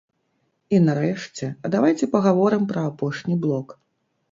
І нарэшце давайце пагаворым пра апошні блок.